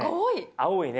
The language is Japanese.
青いね。